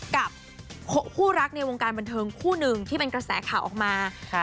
กับคู่รักในวงการบันเทิงคู่หนึ่งที่เป็นกระแสข่าวออกมา